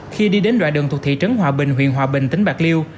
khi đi đến đoạn đường thuộc thị trấn hòa bình huyện hòa bình tỉnh bạc liêu